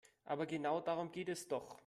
Aber genau darum geht es doch.